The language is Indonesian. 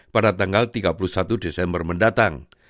pada tanggal tiga puluh satu desember mendatang